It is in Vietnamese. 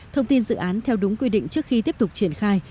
thông tin dự án theo đúng quy định trước khi tiếp tục triển khai